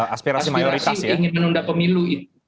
aspirasi ingin menunda pemilu